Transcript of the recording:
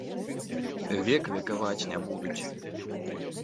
Век векаваць не будуць!